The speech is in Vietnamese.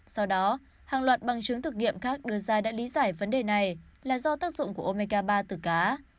sau đó hàng loạt bằng chứng thực nghiệm khác đưa ra đã lý giải vấn đề này là do tác dụng của omeka ba từ cá